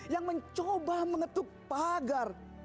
yang mencoba mengetuk pagar